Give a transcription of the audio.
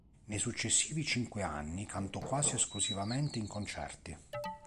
Nei successivi cinque anni cantò quasi esclusivamente in concerti.